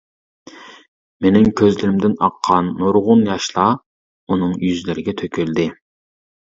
مېنىڭ كۆزلىرىمدىن ئاققان نۇرغۇن ياشلار ئۇنىڭ يۈزلىرىگە تۆكۈلدى.